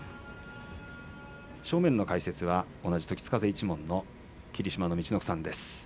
正面の解説は同じ時津風一門の大関霧島の陸奥さんです。